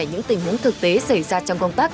những tình huống thực tế xảy ra trong công tác